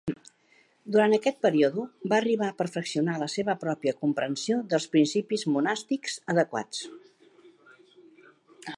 Durant aquest període, va arribar a perfeccionar la seva pròpia comprensió dels principis monàstics adequats.